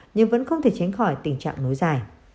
nhưng vẫn không thể tránh khỏi tình trạng nối dài